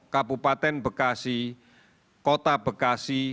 kabupaten bekasi kota bekasi